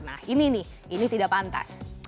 nah ini nih ini tidak pantas